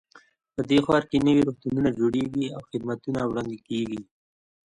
په دې ښار کې نوي روغتونونه جوړیږي او خدمتونه وړاندې کیږي